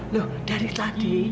loh dari tadi